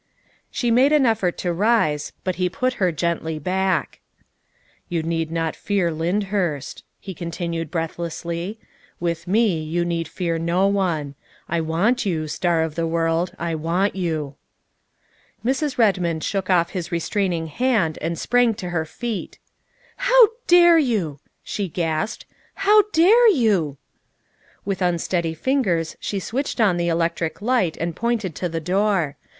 She made an effort to rise, but he put her gently back. " You need not fear Lyndhurst," he continued breathlessly. '' With me you need fear no one. I want you, Star of the World, I want you." Mrs. Redmond shook off his restraining hand and sprang to her feet. '' How dare you ?'' she gasped. '' How dare you ?'' 116 THE WIFE OF With unsteady fingers she switched on the electric light and pointed to the door.